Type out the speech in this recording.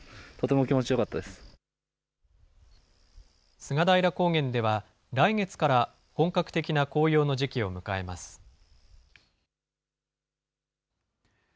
菅平高原では、来月から本格的な紅葉の時期を迎えます。